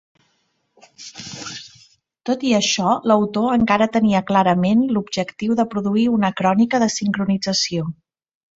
Tot i això, l'autor encara tenia clarament l'objectiu de produir una crònica de sincronització.